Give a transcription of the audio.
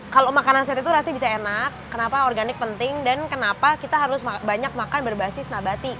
kalau makanan sehat itu rasa bisa enak kenapa organik penting dan kenapa kita harus banyak makan berbasis nabati